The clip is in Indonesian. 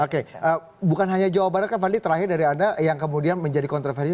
oke bukan hanya jawa barat kan fadli terakhir dari anda yang kemudian menjadi kontroversi